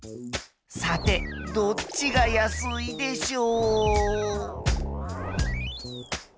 さてどっちが安いでしょう？